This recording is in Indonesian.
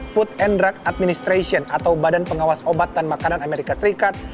food and drug administration atau badan pengawas obat dan makanan amerika serikat